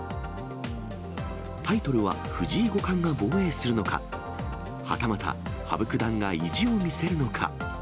タイトルは藤井五冠が防衛するのか、はたまた羽生九段が意地を見せるのか。